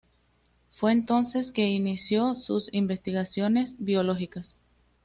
Fue entonces que inició sus investigaciones biológicas.